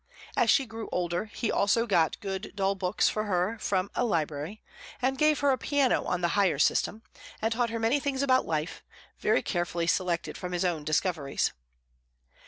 As she grew older he also got good dull books for her from a library, and gave her a piano on the hire system, and taught her many things about life, very carefully selected from his own discoveries.